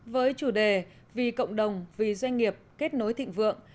với chủ đề vì cộng đồng vì doanh nghiệp kết nối thịnh vượng